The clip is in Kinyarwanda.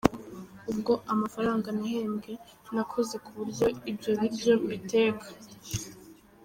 Ubwo amafranga nahembwe nakoze ku buryo ibyo biryo mbiteka.